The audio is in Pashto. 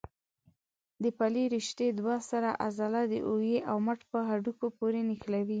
د پلې رشتې دوه سره عضله د اوږې او مټ په هډوکو پورې نښلوي.